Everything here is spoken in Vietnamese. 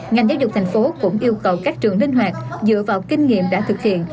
ngành giáo dục thành phố cũng yêu cầu các trường linh hoạt dựa vào kinh nghiệm đã thực hiện